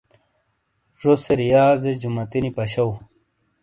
زو سے ریاضے جوماتی نی پشو